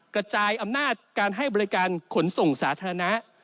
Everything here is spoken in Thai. กระจายอำนาจการให้บริการขนส่งสาธารณะ